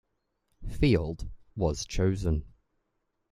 Field was chosen.